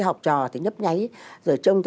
học trò thì nhấp nháy rồi trông thế